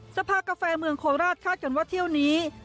สภากาแฟเมืองโคราชคาดกันว่าเที่ยวนี้